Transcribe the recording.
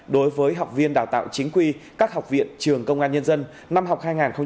đối với học viên đào tạo chính quy các học viện trường công an nhân dân năm học hai nghìn hai mươi hai nghìn hai mươi